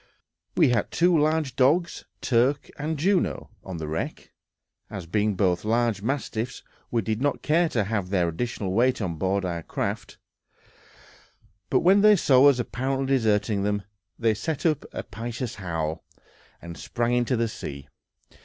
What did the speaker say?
We had left two large dogs, Turk and Juno, on the wreck, as being both large mastiffs we did not care to have their additional weight on board our craft; but when they saw us apparently deserting them, they set up a piteous howl, and sprang into the sea.